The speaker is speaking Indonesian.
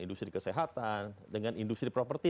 industri kesehatan dengan industri properti